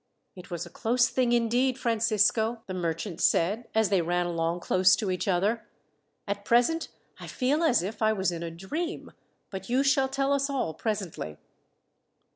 "It was a close thing, indeed, Francisco," the merchant said, as they ran along close to each other. "At present I feel as if I was in a dream; but you shall tell us all presently."